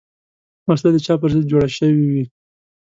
وسله د چا پر ضد جوړه شوې وي